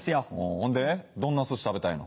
ほんでどんな寿司食べたいの？